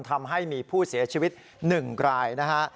ทำให้มีผู้เสียชีวิตหนึ่งกลายนะฮะ